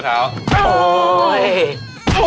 ข้าวเท้า